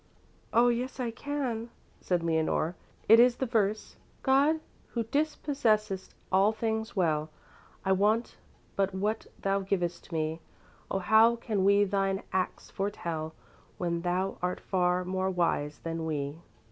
"Oh, yes, I can," said Leonore, "it is the verse: God, who disposest all things well, I want but what thou givest me, Oh how can we thine acts foretell, When Thou art far more wise than we?